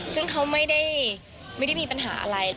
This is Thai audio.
ซึ่งเขาไม่ได้มีปัญหาอะไร